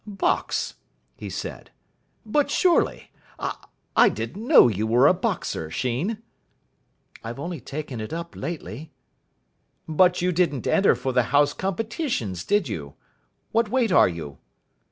"Box?" he said. "But surely I didn't know you were a boxer, Sheen." "I've only taken it up lately." "But you didn't enter for the House Competitions, did you? What weight are you?"